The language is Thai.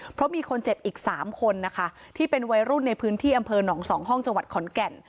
เพราะมีคนเจ็บอีก๓คนนะคะที่เป็นวัยรุ่นในพื้นที่อำเภอหนองสองห้องจังหวัดขอนแก่น